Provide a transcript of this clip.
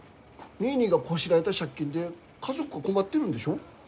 ニーニーがこしらえた借金で家族困ってるんでしょ？